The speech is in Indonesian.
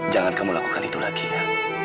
jangan kamu lakukan itu lagi ya